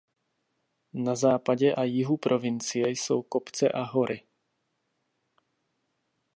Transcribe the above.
Na západě a jihu provincie jsou kopce a hory.